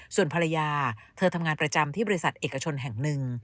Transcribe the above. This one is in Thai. ส่วนภรรยาเธอทำงานประจำที่บริษัทเอกชนแห่งหนึ่ง